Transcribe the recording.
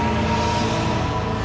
aku sudah berusaha untuk menghentikanmu